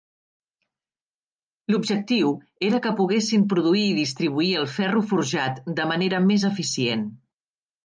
L'objectiu era que poguessin produir i distribuir el ferro forjat de manera més eficient.